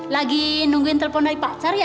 lagi nungguin telepon dari pacar ya